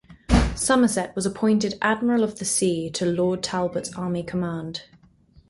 Somerset was appointed Admiral of the Sea to Lord Talbot's army command.